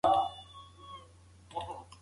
ږیره د الله جل جلاله څخه د حیا نښه ده.